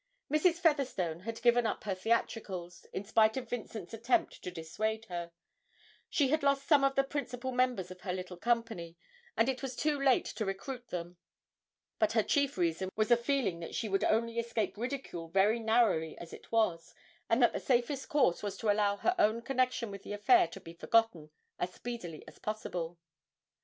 Mrs. Featherstone had given up her theatricals, in spite of Vincent's attempt to dissuade her; she had lost some of the principal members of her little company, and it was too late to recruit them; but her chief reason was a feeling that she would only escape ridicule very narrowly as it was, and that the safest course was to allow her own connection with the affair to be forgotten as speedily as possible.